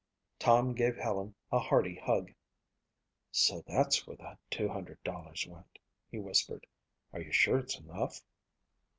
Tom gave Helen a hearty hug. "So that's where the $200 went," he whispered. "Are you sure it's enough?"